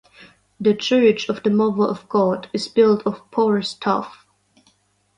The church of the Mother of God is built of porous tuff.